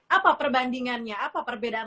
apa perbandingannya apa perbedaan